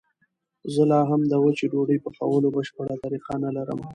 زه لا هم د وچې ډوډۍ پخولو بشپړه طریقه نه لرم.